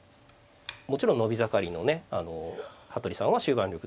もちろん伸び盛りのね服部さんは終盤力